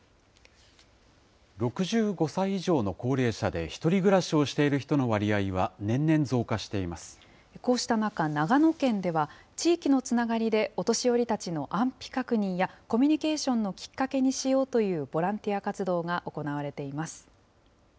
６５歳以上の高齢者で１人暮らしをしている人の割合は、年々こうした中、長野県では、地域のつながりで、お年寄りたちの安否確認やコミュニケーションのきっかけにしようというボランティア活動が行われています。